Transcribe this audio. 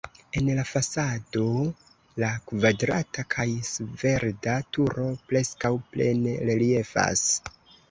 En la fasado la kvadrata kaj svelta turo preskaŭ plene reliefas.